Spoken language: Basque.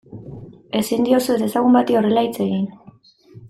Ezin diozu ezezagun bati horrela hitz egin.